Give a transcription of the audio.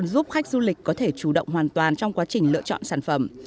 giúp khách du lịch có thể chủ động hoàn toàn trong quá trình lựa chọn sản phẩm